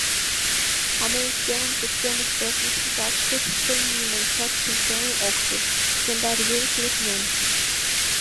А мыйын шкемын пычкемыш рок мешакыште нимончат шинчымем ок шу — яндар южыш лекнем.